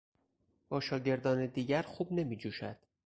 با شاگردان دیگر خوب نمیجوشد.